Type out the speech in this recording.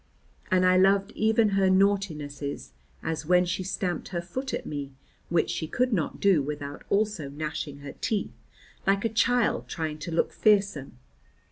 And I loved even her naughtinesses, as when she stamped her foot at me, which she could not do without also gnashing her teeth, like a child trying to look fearsome.